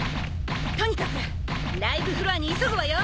とにかくライブフロアに急ぐわよ。